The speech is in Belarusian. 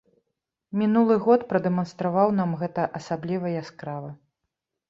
Мінулы год прадэманстраваў нам гэта асабліва яскрава.